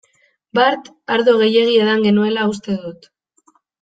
Bart ardo gehiegi edan genuela uste dut.